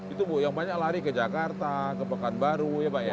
itu bu yang banyak lari ke jakarta ke pekanbaru ya pak ya